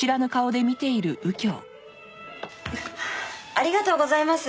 ありがとうございます。